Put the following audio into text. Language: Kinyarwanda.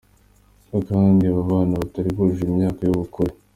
Ko kandi abo bana batari bujuje imyaka y’ubukure.